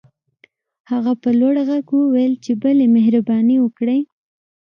هغه په لوړ غږ وويل چې بلې مهرباني وکړئ.